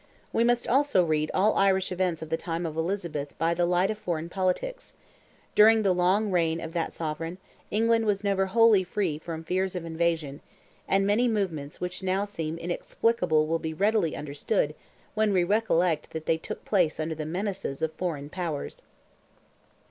We must also read all Irish events of the time of Elizabeth by the light of foreign politics; during the long reign of that sovereign, England was never wholly free from fears of invasion, and many movements which now seem inexplicable will be readily understood when we recollect that they took place under the menaces of foreign powers.